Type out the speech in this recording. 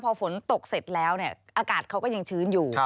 พอฝนตกเสร็จแล้วอากาศเขาก็ยังชื้นอยู่